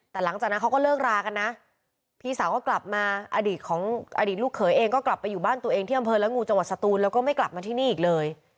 แต่หลังจากนั้นเขาก็เลิกรากันนะพี่สาวก็กลับมาอดีตของอดีตลูกเขยเองก็กลับไปอยู่บ้านตัวเองที่อำเภอละงูจังหวัดสตูนแล้วก็ไม่กลับมาที่นี่อีกเลย